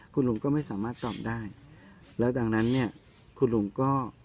คุณลุงก็ไม่สามารถตอบได้แล้วดังนั้นเนี่ยคุณลุงก็